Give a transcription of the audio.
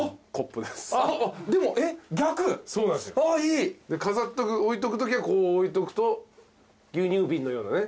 で置いとくときはこう置いとくと牛乳瓶のようなね。